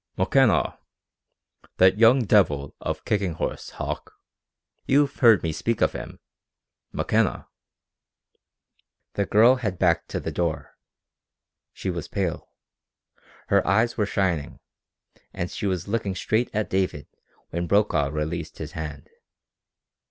"McKenna that young devil of Kicking Horse, Hauck! You've heard me speak of him. McKenna...." The girl had backed to the door. She was pale. Her eyes were shining, and she was looking straight at David when Brokaw released his hand.